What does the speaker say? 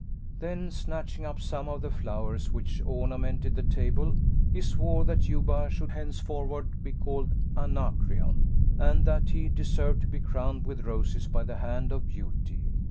Then snatching up some of the flowers, which ornamented the table, he swore that Juba should henceforward be called Anacreon, and that he deserved to be crowned with roses by the hand of beauty.